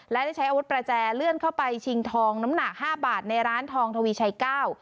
และได้ใช้อาวุธประแจเลื่อนเข้าไปชิงทองน้ำหนักห้าบาทในร้านทองทวีชัยเก้า